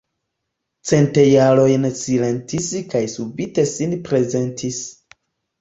Cent jarojn silentis kaj subite sin prezentis.